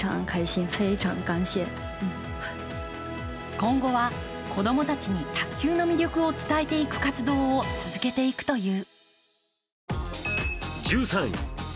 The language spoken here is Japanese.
今後は、子供たちに卓球の魅力を伝えていく活動を続けていくという。